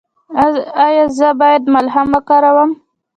ایا زه باید ملهم وکاروم؟